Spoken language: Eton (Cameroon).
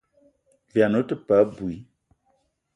Vian ou te paa abui.